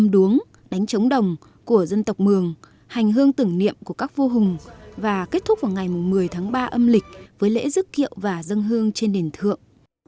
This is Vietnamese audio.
đuống đánh trống đồng của dân tộc mường hành hương tưởng niệm của các vua hùng và kết thúc vào ngày một mươi tháng ba âm lịch với lễ dứt kiệu và dân hương trên đền thượng